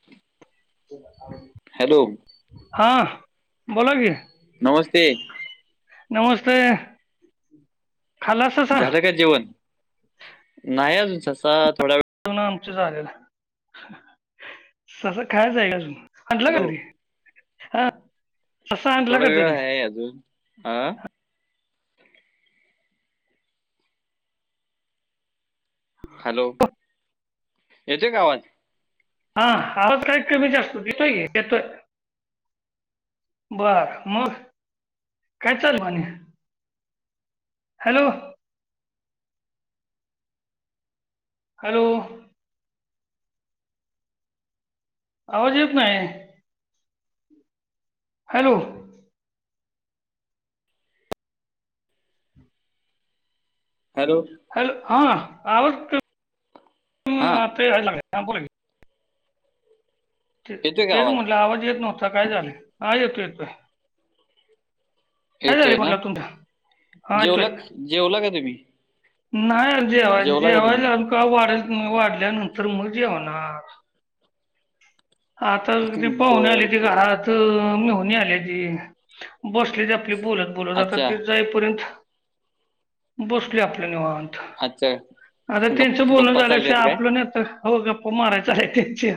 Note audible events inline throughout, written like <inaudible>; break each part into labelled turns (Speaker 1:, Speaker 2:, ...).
Speaker 1: <inaudible> Hello
Speaker 2: हा बोला की
Speaker 1: नमस्ते
Speaker 2: नमस्ते खाला ससा
Speaker 1: झालं का जेवण नाही अजून ससा थोडा वेळ
Speaker 2: त ना आमचं झालेल ससा खायचय का अजून आणटला कां
Speaker 1: हॅलो
Speaker 2: घरी हा ससा आणला
Speaker 1: थोडा
Speaker 2: का
Speaker 1: वेळ
Speaker 2: तरी
Speaker 1: हाय अजून आ हालो येतोय कां आवाज
Speaker 2: हा आवाज काहीक् कमी जास्त येतोय येतोय बरं मग काय चाल माने हॅलो हॅलो आवाज येत नाही हॅलो
Speaker 1: हॅलो
Speaker 2: हॅलो हा आवाज क <inaudible> अं
Speaker 1: हा
Speaker 2: आता यायला लागलाय बोलाकी ते
Speaker 1: येतोय का
Speaker 2: तेच म्हटलं आवाज येत नव्हता काय झालय हा येतो येतोय काय झालाय
Speaker 1: येतोय ना
Speaker 2: म्हणला तुम हा येतोय
Speaker 1: जेवला जेवला काय तुम्ही
Speaker 2: नाहीर जेवाय,
Speaker 1: जेवला का तुम्ही
Speaker 2: जेवायला कवा वाढल वाढल्यानंतर मग जेवणार. आता त पाहुन
Speaker 1: बर
Speaker 2: आलीती
Speaker 1: बर
Speaker 2: घरात. ह मेहूनी आल्याती बसल्याती आपलं बोलतं. बोलत
Speaker 1: अच्छा
Speaker 2: ते जाई पर्यंत बसलोय आपलं निवांत.
Speaker 1: अच्छा
Speaker 2: आता
Speaker 1: गप
Speaker 2: तेनच बोलणं
Speaker 1: गप्पा
Speaker 2: झाल्या,
Speaker 1: चालल्यात
Speaker 2: शिवाय
Speaker 1: काय
Speaker 2: आपलं नाही तर हो, गप्पा मारायच हाय त्यांच्या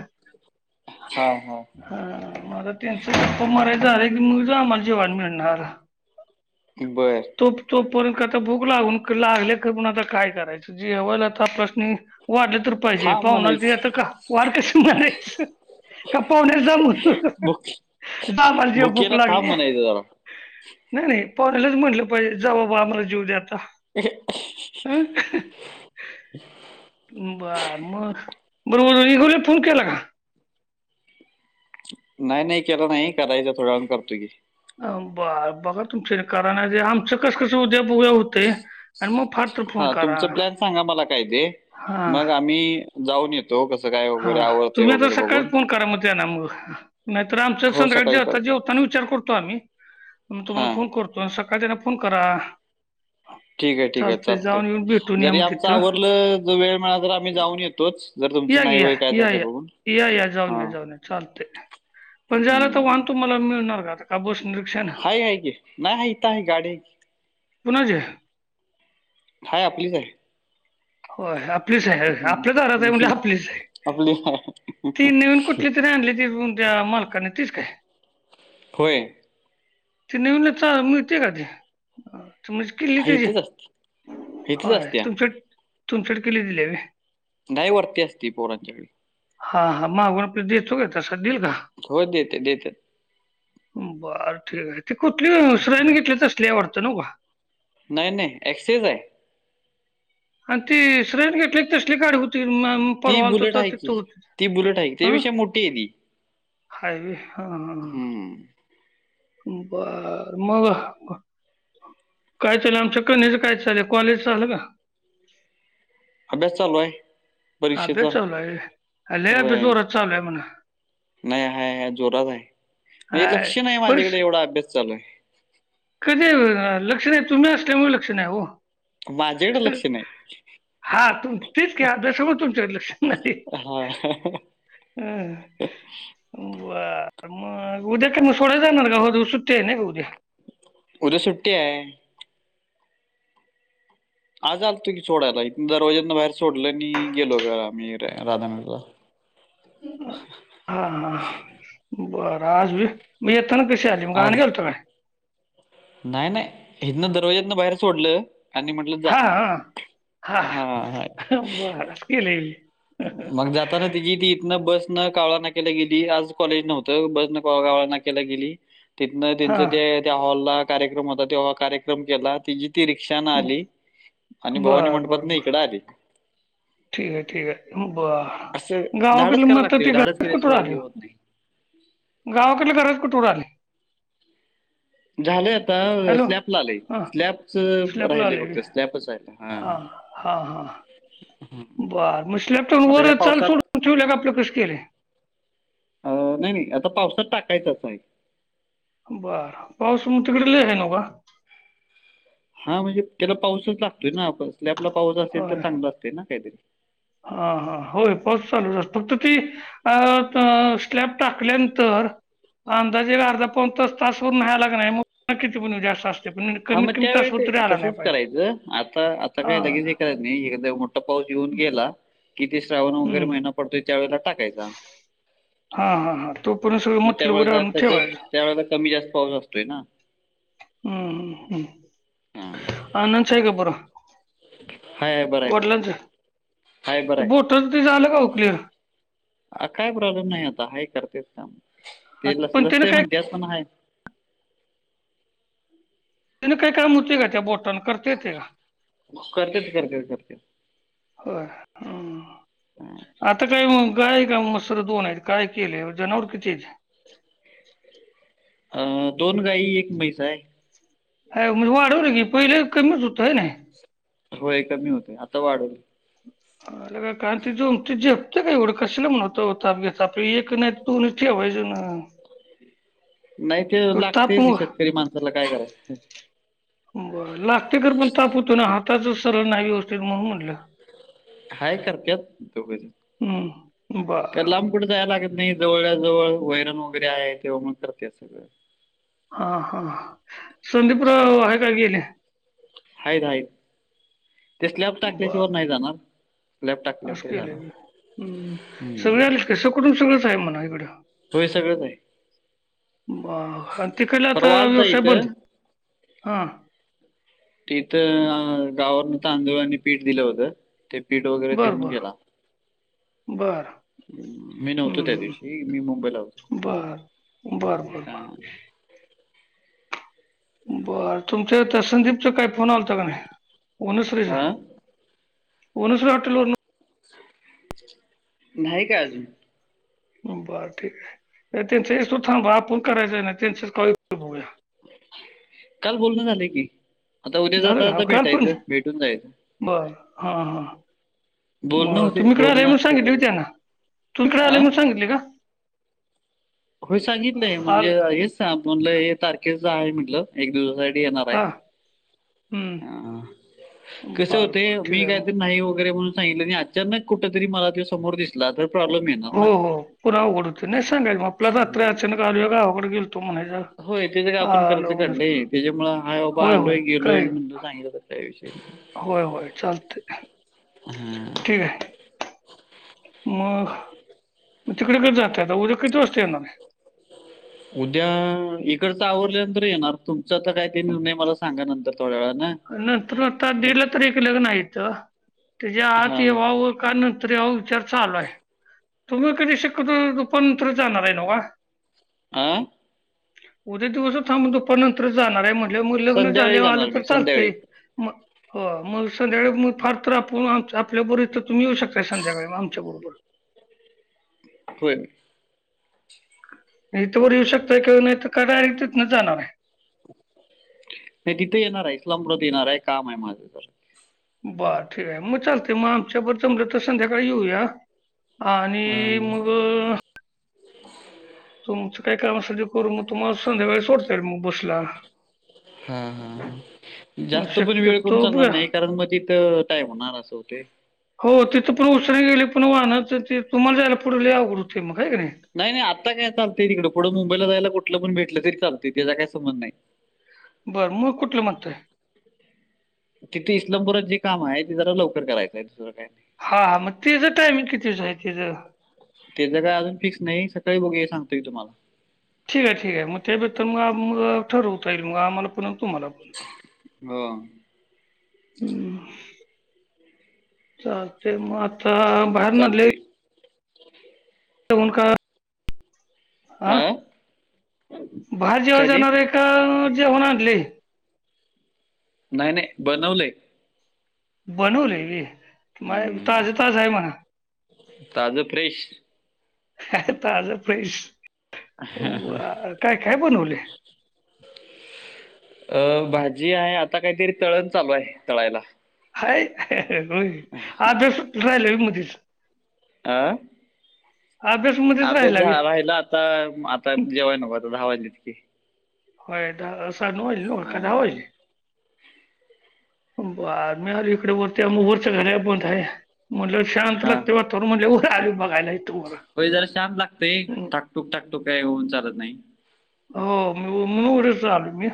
Speaker 1: हा हा
Speaker 2: हा म त्यांच गप्पा मारायचं झालं की, मग जा आम्हाला जेवायला मिळणार.
Speaker 1: बरं.
Speaker 2: तो तोपर्यंत आता भूक लागून लागल्या खरं पण आता काय करायचं? जेवायला आता <unintelligible> वाढलं तर पाहिजे,
Speaker 1: थांब
Speaker 2: पाहुणा तर येत
Speaker 1: म्हणायचं
Speaker 2: का, वाढ कसं म्हणायचं? त्या पाहुण्याला जा
Speaker 1: भुके
Speaker 2: म्हण जा आम्हाला जेव भुक
Speaker 1: भुकेला थांब
Speaker 2: लागल्या.
Speaker 1: म्हणायचं जरा
Speaker 2: नाही नाही पाव्हण्यालाच म्हटलं पाहिजे, जा बाबा आम्हाला जेवू दे आता.
Speaker 1: <inaudible>
Speaker 2: अ ह ह बरं मग <unintelligible> फोन करा.
Speaker 1: नाही नाही केला नाही, करायचा थोड्या वेळाने करतो की,
Speaker 2: बा बघा तुमचे करा नाय ते आमचं, कस कसं बघूया उद्या होतयं आणि मग फार तर फोन
Speaker 1: हा
Speaker 2: करा
Speaker 1: तुमच प्लॅन सांगा मला काय, ते
Speaker 2: हा
Speaker 1: मग आम्ही जाऊन येतो कसं काय?
Speaker 2: हा
Speaker 1: वगैरे आवरतंय
Speaker 2: तुम्ही, आता
Speaker 1: वगैरे बघून.
Speaker 2: सकाळीच फोन करा मग त्यांना म नाही तर आमच्यात
Speaker 1: हो,
Speaker 2: संध्याकाळी
Speaker 1: सकाळी
Speaker 2: जेव
Speaker 1: कळवा.
Speaker 2: जेवताना विचार करतो आम्ही, तुम्हाला
Speaker 1: हां,
Speaker 2: फोन करतो. बरं सकाळच्यान फोन करा.
Speaker 1: ठीक आहे ठीक
Speaker 2: चालतंय
Speaker 1: चालतयं,
Speaker 2: जाऊन येऊन भेटून या
Speaker 1: जरी
Speaker 2: मग
Speaker 1: आमचं
Speaker 2: तिथं
Speaker 1: आवरलं ज वेळ मिळाला तर आम्ही जाऊन येतोच. जर तुमचं
Speaker 2: या
Speaker 1: नाही
Speaker 2: या
Speaker 1: वय काय
Speaker 2: या
Speaker 1: जातंय बघून.
Speaker 2: या या जाऊन
Speaker 1: हां,
Speaker 2: या जाऊन या. चालतयं पण जायाला,
Speaker 1: हं.
Speaker 2: तर वाहन तुम्हाला मिळणार का? का बस नं
Speaker 1: हाय हाय की नाही इथं हाय गाडी हाय की.
Speaker 2: कुणाची
Speaker 1: हाय आपलीच हाय.
Speaker 2: होय, आपलीच हाय
Speaker 1: हं,
Speaker 2: आपल्या दारात हाय
Speaker 1: हं, हं.
Speaker 2: म्हणल्यावर आपलीच हाय.
Speaker 1: आपली आहे.
Speaker 2: ती नवीन कुठली, तर आणली ती तुमच्या मालकानी तीच काय?
Speaker 1: होय.
Speaker 2: ति नविन चा मिळत्या काय ती? म्हणजे किल्ली
Speaker 1: हां,
Speaker 2: तेची
Speaker 1: इथेच असते. इथेच
Speaker 2: होय,
Speaker 1: असत्या.
Speaker 2: तुमच्या तुमच्याकडं किल्ली दिल्या व्हयं.
Speaker 1: नाही वरती असती पोरांच्या कडं.
Speaker 2: हा हा मागुन तो देतो, काय तसा देईल का?
Speaker 1: होय, देत्या देत्या.
Speaker 2: बरं ठीक हाय, ती कुठलीयं सेरयाने घेतल्या तसली हाय वाटतं नव्ह का?
Speaker 1: नाही नाही एक्सेज आहे.
Speaker 2: आणि ती सेरयाने घेतल्या तसली गाडी हो ती मँम
Speaker 1: ती
Speaker 2: परवा आलतो
Speaker 1: बुलेट
Speaker 2: तर
Speaker 1: आहे की
Speaker 2: तिथं होती
Speaker 1: ती बुलेट आहे की,
Speaker 2: हं.
Speaker 1: त्यापेक्षा मोठी आहे ती
Speaker 2: हाय व्हय हा हा.
Speaker 1: हम्म
Speaker 2: बरं मग. काय चालयं आमच्या कन्येचं काय चालयं कॉलेज झालं का?
Speaker 1: अभ्यास चालूयं.
Speaker 2: अभ्यास चालूयं होय, काय लयं अभ्यास
Speaker 1: होय
Speaker 2: जोरात चालूयं म्हण.
Speaker 1: नाही हाय हाय जोरात हाय म्हणजे
Speaker 2: हाय
Speaker 1: लक्ष नाही, माझ्याकडे
Speaker 2: परीक्षा
Speaker 1: एवढा अभ्यास चालू हाय.
Speaker 2: कधी लक्ष नाही, तुम्ही असल्यामुळे लक्ष नाही ओ.
Speaker 1: माझ्याकडं लक्ष नाही.
Speaker 2: हा तु तेच की आभ्यासामुळे तुमच्याकडं लक्ष नाही.
Speaker 1: हा
Speaker 2: अ अ बरं मग उद्या का म सोडाय जाणार का हो सुट्टी हाय ना ग उद्या.
Speaker 1: उद्या सुट्टी आहे. आज आल तुी सोडायला इथ दरवाजना बाहेर सोडलं आणि गेलो घ आम्ही राधाानगरीला.
Speaker 2: हा हा बरं आज भी. मी यत्ना कृषी आली मग का आण
Speaker 1: आज
Speaker 2: गेलत काय?
Speaker 1: नाही नाही हिथन दरवाज्यान बाहेर सोडलं आणि म्हटलं. जा
Speaker 2: हा हा हा भारिच केले‌‌
Speaker 1: मग जाताना तिची ती इथन बस न कावळा ना केला गे आज कॉलेज नव्हतं बस नवळा ना. गेली तिथन त्यां
Speaker 2: हां
Speaker 1: त्या हॉल ला कार्यक्रम होता कार्यक्रम केला. ती रिक्षा ना आली आणि भवानी
Speaker 2: बर
Speaker 1: म्हणपात
Speaker 2: बर
Speaker 1: ना
Speaker 2: बर
Speaker 1: इकड आली.
Speaker 2: ठीक आहे ठीक आहे ब
Speaker 1: असं धाडस
Speaker 2: गावाकलं
Speaker 1: करायला
Speaker 2: मत
Speaker 1: लागते हो.
Speaker 2: ते
Speaker 1: धाडस
Speaker 2: घरात कुतड
Speaker 1: केल्याशिवाय
Speaker 2: आल.
Speaker 1: हे होत नाही.
Speaker 2: गावातली घरज कुठूवर आली.
Speaker 1: झालंय आता
Speaker 2: हॅलो
Speaker 1: स्लॅब ला आलेय
Speaker 2: हां
Speaker 1: स्लॅबच राहिलेय फक्त स्लॅबच राहिला.
Speaker 2: हा हा हा. बर मग स्लॅपटॉन
Speaker 1: आता
Speaker 2: वर
Speaker 1: या
Speaker 2: चाल
Speaker 1: पावसात
Speaker 2: सोडून ठेवले का आपलं कशी केलंय.
Speaker 1: अ नाही नाही आता पावसात टाकायचं असं आहे.
Speaker 2: बर पाऊस म तिकडे ल आहे न का?
Speaker 1: हा म्हणजे त्याला पाऊसच लागतोय ना आप स्लॅपला पाऊस असेल तर चांगला असते ना काहीतरी.
Speaker 2: हा हा होय पास चालू फक्त ती. अ स्लॅब टाकल्यानंतर. अंदाजेला अर्धा पनतास तास वरून व्यायला लागणार म किती पण जास्त. असते पण
Speaker 1: हा
Speaker 2: कमीत
Speaker 1: मग
Speaker 2: कमी
Speaker 1: त्यावेळी ते
Speaker 2: तासभर तरी आला नाही
Speaker 1: तसच
Speaker 2: पाहिजे
Speaker 1: करायचं आता आता
Speaker 2: हा
Speaker 1: काय लगेच करायचं. एदा मोठा पाऊस येेऊन गेला कि ते श्रावण वगैरे
Speaker 2: हम्म
Speaker 1: महिना पडतोय त्या वेळेला टाकायचा.
Speaker 2: हा हा हा तो पण सगळ म्हटलं मटरेल वगैरे आणून ठेवायच.
Speaker 1: त्या वळेला तर कमी जास्त पाऊस असतोय ना.
Speaker 2: हम्म हम्म
Speaker 1: हां.
Speaker 2: हम्म अ नन च ह का बर.
Speaker 1: हाय बर आहे बर आहे. आहे,
Speaker 2: ते
Speaker 1: बरं आहे.
Speaker 2: बोटचा ते झालं का ओ क्लियर.
Speaker 1: अ काय प्रॉब्लेम नाही आता ह करतेस का तेस
Speaker 2: पण त्यानं
Speaker 1: लसतय
Speaker 2: काय
Speaker 1: म्हण त्यास् पण आहे.
Speaker 2: तिने काही काय होती का त्या बोटांन. करता येतय का.
Speaker 1: करतात करतात करत्यात.
Speaker 2: हो
Speaker 1: हां.
Speaker 2: आता काय मग? काय का मसर दोन आहेत काय केले जनावर किती आहेत?
Speaker 1: अ दोन गाई एक मैस आहे.
Speaker 2: ह म्हणजे वाढव न की पहिले कमीच होतं आहे नाही.
Speaker 1: होय कमी होतय आता वाढवल.
Speaker 2: का कारण ति ति झेपते काही ओळखशला म्हण होतं होता आपे आपलं एक नाही तो ठेवायजे ना.
Speaker 1: नाही ते
Speaker 2: तर
Speaker 1: लागते
Speaker 2: ताप
Speaker 1: ती
Speaker 2: मग
Speaker 1: शेतकरी माणसाला काय कराय?
Speaker 2: बरं लागतेकर पण ताप होतो ना हाताच सरळ नाही व्यवस्थेत म्हणून म्हटलं.
Speaker 1: हाय करतेत दोघ
Speaker 2: हम्म बर
Speaker 1: खर लांब कुठे जाय लागे. नाही जवळजवळ वैरन वगैरे आहे तेव्हा मग करते सगळ.
Speaker 2: हा हा संदीप राव आहे काय गेले.
Speaker 1: हा हाय ते स्लॅब टाकल्याशिवार नाही जाणार.
Speaker 2: ह
Speaker 1: टाकल्या तर
Speaker 2: केले
Speaker 1: जाणार
Speaker 2: हम् सगळे आले कसं कून सगळंच आहे म्हणा इकडे.
Speaker 1: हो हे सगळंच आहे.
Speaker 2: आणि तेिकलाता
Speaker 1: परवा आलता
Speaker 2: व्यवसाय बंद
Speaker 1: इथं
Speaker 2: हा.
Speaker 1: तिथं गावावरन तांदळांनी पीठ दिलं होतं ते पीठ वगैरे देऊन गेला‌
Speaker 2: बरं.
Speaker 1: हम्म, मी नव्हतो त्या
Speaker 2: हम्म
Speaker 1: दिवशी मी मुंबईला होतो
Speaker 2: बर बर बर
Speaker 1: हा.
Speaker 2: ब बर तुमच्या त्या संदीपचा काय फोन आलाता का नाही ओनस्रीचा.
Speaker 1: हा?
Speaker 2: उनुॉटलवररून <unintelligible>
Speaker 1: नाही काय अजून.
Speaker 2: बरं ठीक आहे त्यांच येसतवर थांबा आपण करायचं ना त्यांनच कवा येतंय बघूया.
Speaker 1: काल बोलण झालंय की आता उद्या
Speaker 2: झालं
Speaker 1: जाता
Speaker 2: का
Speaker 1: आता
Speaker 2: काल पण
Speaker 1: भेटायचं भेटून जायचं.
Speaker 2: बर हा हा.
Speaker 1: बोलणं
Speaker 2: मग
Speaker 1: होते
Speaker 2: तुम्ही इकडे आले
Speaker 1: बोलणं
Speaker 2: मग
Speaker 1: असते
Speaker 2: सांगितले हुय
Speaker 1: काय
Speaker 2: त्यांना तुम्ही हीकड आले
Speaker 1: हा
Speaker 2: मग सांगितल का.
Speaker 1: होय सांगितलंय
Speaker 2: आल
Speaker 1: म्हणजे हेच सा म्हणलं हे तारखेच आहे म्हटलं एक दिवसासाठी येणार हाय.
Speaker 2: हा हम्म
Speaker 1: ह कसे
Speaker 2: बर बर
Speaker 1: होतय
Speaker 2: ठीक
Speaker 1: मी
Speaker 2: आहे
Speaker 1: काय
Speaker 2: मग
Speaker 1: तर नाही वगैरे म्हणून सांगितलं नी आत चानक कुठ तरी मला त्यो समोर दिसला तर प्रॉब्म
Speaker 2: हो हो पुरा अवघड होते नाही सांगायच मग आपला रात्र
Speaker 1: हां.
Speaker 2: अचानक आलोय गावाकडे गेलतो म्हणायच
Speaker 1: होय तेच काय आपण खर्च काढलंय त्याच्यामुळे हाय बाबा
Speaker 2: होय होय
Speaker 1: आलोय गेलोय
Speaker 2: काय
Speaker 1: म्हणलं सांगितलं त्या विषय नाही.
Speaker 2: होय होय चालत
Speaker 1: हां
Speaker 2: ठीक आहे. मग मग तिकडे कधी जातात, उद्या किती वाजता येणारे?
Speaker 1: उद्या इकडच आवरल्यानंतर येणार तुमच आता काय ते निर्णय मला सांगा नंतर थोड्या वेळा न
Speaker 2: नंतर आता दीड ला तरी ठेकलं इत त्याचा आत
Speaker 1: हां
Speaker 2: यायव का ण तरी अहो विचार चालू आहे. तुम्ही कधी शक्यतो दुपार नंतर जाणार आहे ना तवा
Speaker 1: आं
Speaker 2: उद्या दिवस भर थांबून दुपार नंतरच जाणार आहे म्हटलं मग लग्न
Speaker 1: संध्याकाळी
Speaker 2: झाल्यावर
Speaker 1: जाणार
Speaker 2: आलं तर
Speaker 1: मी
Speaker 2: चालत.
Speaker 1: संध्याकाळी
Speaker 2: म हो मग संध्याकाळी मग फार तर आपण आपल्याबरोबर तर तुम्ही येऊ शकता संध्याकाळी आमच्या बरोबर
Speaker 1: होय.
Speaker 2: इथ वर येऊ शकताय किवा नाही तर डायरेक्ट तिथंन जाणार आहे.
Speaker 1: नाही तिथे येणार आहे. इस्लामपुरात येणार आहे काम आहे माझं तर
Speaker 2: बर ठीक आहे मग चालते मग आमच्या बरोबर जमलं तर संध्याकाळी येऊया. आणि
Speaker 1: हा
Speaker 2: मग तुमच काय काम असेल ते करू मग तुम्हाला संध्याकाळी सोडता येल मग बसला.
Speaker 1: हा हा
Speaker 2: मग
Speaker 1: जास्त पण वेळ करून
Speaker 2: शक्यतो
Speaker 1: चालणार
Speaker 2: ब
Speaker 1: नाही कारण मधी तिथं टाइम होणार असं होते.
Speaker 2: हो तिथं पण उशिरा गेली पण वाहनच ते तुम्हाला जायला पुढ लई अवघड होते मग काय का नाही.
Speaker 1: नाही नाही आता काय चालतय तिकडं पुढं मुंबईला जायला कुठलं पण भेटलं तरी चालते त्याचा काय संबध नाही.
Speaker 2: बरं मग कुठलं म्हणतय?
Speaker 1: तिथे इस्लामपुरात जे काम आहे ते जरा लवकर करायचंय दुसरं काही नाही.
Speaker 2: हा हा मग तिचं टायमिंग कितीच आहे तिचं
Speaker 1: तेचं काय अजून फिक्स नाही सकाळी बघू सांगतय तुम्हाला
Speaker 2: ठीक आहे ठीक आहे मग त्याबेतर मग ठरवता येईल मग आम्हाला पण तुम्हाला पण
Speaker 1: हो.
Speaker 2: चालत मग आता बाहेरण आणलेलं.
Speaker 1: चालतंय
Speaker 2: <unintelligible> आ
Speaker 1: हा
Speaker 2: बाहेर
Speaker 1: काय
Speaker 2: जेवायला
Speaker 1: ते
Speaker 2: जाणारे का. का जेवण आणलंय.
Speaker 1: नाही नाही बनवलंय.
Speaker 2: बनवलंय व्हय मग
Speaker 1: हम्म.
Speaker 2: ताज ताज आहे मणा..
Speaker 1: ताजं फ्रेश
Speaker 2: ह ताजा फेश
Speaker 1: हा हा.
Speaker 2: बनवले
Speaker 1: अ भाजी आहे आता काहीतरी तळण चालू आहे तळायला.
Speaker 2: हाय होय आज काय सुट्टी राहिल काय मध्येच
Speaker 1: आं
Speaker 2: अभि
Speaker 1: अभ्यास झालाय ना आता, आता जेवायला नको आता दहा वाजले की.
Speaker 2: होय साडे नऊ वाजले न्हवं
Speaker 1: हा
Speaker 2: काय दहा वाजले ब आ मी आलोय इकड वरत्या मोहरच्या घराकडं गोधल्या म्हटलं शांत
Speaker 1: हा
Speaker 2: लागतय
Speaker 1: हा
Speaker 2: वाटतं तर म्हणलं उंग आली बघायला इथं
Speaker 1: होय जरा शांत लागतंय
Speaker 2: हं.
Speaker 1: ठाकठुक ठाकठुक काय होऊन चालत नाही.
Speaker 2: हो मी म्हणून उरच राहिलो मी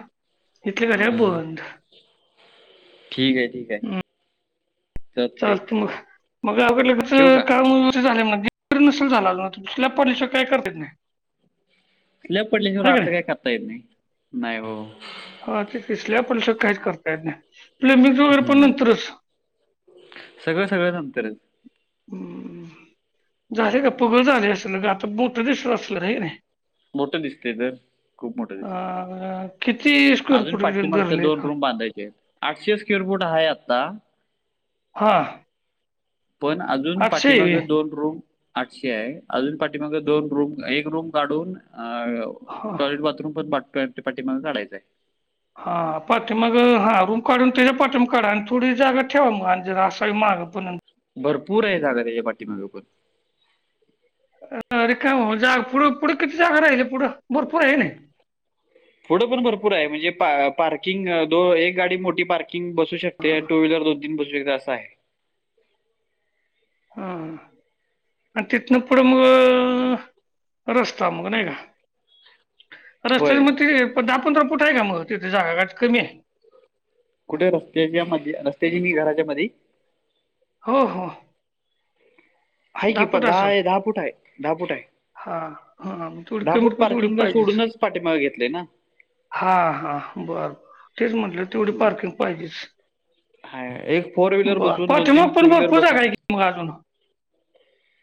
Speaker 2: इथले
Speaker 1: हा
Speaker 2: घड्याळ बंद
Speaker 1: ठीक आहे ठीक आहे
Speaker 2: हं.
Speaker 1: चालतंय
Speaker 2: चालतं मग मग गावाकडं
Speaker 1: ठेवू का
Speaker 2: लगंच काम झालाय म्हणजे नसेल झाला अजून स्लॅप पडल्याशिवाय काय करता येत नाही.
Speaker 1: स्लॅप
Speaker 2: हाय
Speaker 1: पडल्याशिवाय
Speaker 2: का
Speaker 1: आतलं काही
Speaker 2: नाही
Speaker 1: करता येत नाही नाही हो
Speaker 2: हा तेच की स्लॅप पडल्याशिवाय काहीच करता येत नाही नाही मीच वगैरे पण
Speaker 1: हम्म.
Speaker 2: नंतरच
Speaker 1: सगळं सगळं नंतरच
Speaker 2: हम् झालय का पगळ झाले असल ग आता मोठं दिसत असतील हे की नाही
Speaker 1: मोठं दिसते तर खूप मोठं दिसत.
Speaker 2: किती? स्क्वेअर
Speaker 1: अजून
Speaker 2: फूट
Speaker 1: पाठी मागच्या
Speaker 2: धरले
Speaker 1: दोन
Speaker 2: का
Speaker 1: रूम बांधायच्या आहेत आठशे स्क्वेअर फूट आहे आता
Speaker 2: हा
Speaker 1: पण अजून
Speaker 2: आठशे आहे व्हय.
Speaker 1: पाठीमागं दोन रूम आठशे आहे अजून पाठी मागं दोन रूम एक रूम काढून
Speaker 2: हा
Speaker 1: टॉयलेट बाथरूम पण पाट पाठीमागं काढायचंय
Speaker 2: हा पाठीेमागं हा रूम काढून त्याच्या पाठीमाग काढा आणि थोडी जागा ठेवा मग आणि जरासं म्हागं पण
Speaker 1: भरपूर आहे जागा त्याच्या पाठीमागं पण
Speaker 2: अ अरे का जाग पुढं पुढे किती जागा राहिले पुढं भरपूर आहे ना
Speaker 1: पुढ पण भरपूर आहे म्हणजे पार्किंग दो एक गाडी मोठी पार किंग बसू शकते टू व्हीलर दोन तीन बसू शकते असं आहे
Speaker 2: हा हा आणि तिथनं पुढं मग रस्ता मग नाही का रस्त्यातं
Speaker 1: होय
Speaker 2: मग ते दहा पंधरा फूट आहे का मग काय जागा कमी आहे
Speaker 1: कुठे रस्त्याच्या मध्ये रस्त्याची नी घराच्या मध्ये
Speaker 2: हो हो
Speaker 1: हाय की प
Speaker 2: फूट असेल
Speaker 1: दहा दहा फूट आहे दहा फूट हाय
Speaker 2: हा हा तेवढी
Speaker 1: दहा
Speaker 2: कमीत
Speaker 1: फूट
Speaker 2: कमी तेवढी
Speaker 1: पार्किंग ला सोडूनच पाठीमागं घेतलय ना
Speaker 2: हा हा बरं बर तेच म्हटलं तेवढी पार्किंग पाहिजेच
Speaker 1: हाय एक फोर व्हीलर
Speaker 2: बर
Speaker 1: बसून दोन तीन
Speaker 2: पाठीमागं
Speaker 1: टू
Speaker 2: पण
Speaker 1: व्हीलर
Speaker 2: भरपूर
Speaker 1: बसू
Speaker 2: जागा हाय
Speaker 1: शकते
Speaker 2: की मग अजून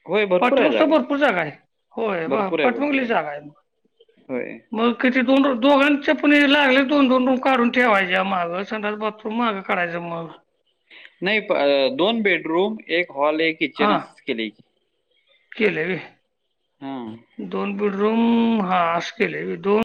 Speaker 1: होय भरपूर आहे
Speaker 2: पाठीमागचा भरपूर जागा आहे होय ब
Speaker 1: भरपूर आहे
Speaker 2: पाठीमागं
Speaker 1: भरपूर
Speaker 2: लई जागा आहे
Speaker 1: होय
Speaker 2: मग किती दोन दोघांच्या पण लागलच दोन दोन रूम काढून ठेवायच्या मागं संडास बाथ रूम मागं काढायचं मग
Speaker 1: नाही दोन बेडरूम एक हॉल एक किचन असंच केलय की
Speaker 2: केलय व्हय
Speaker 1: हा
Speaker 2: दोन बेडरूम हा असं केलय व्हय